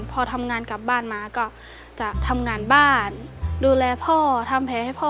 พอทำงานกลับบ้านมาก็จะทำงานบ้านดูแลพ่อทำแผลให้พ่อ